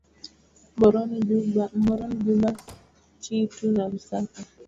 mhoroni juba kitu na lusaka kuweza kutuma ujumbe mfupi wa maandishi